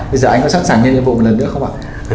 bây giờ anh có sẵn sàng nhân nhiệm vụ một lần nữa không ạ